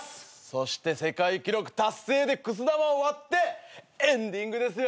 そして世界記録達成でくす玉を割ってエンディングですよ！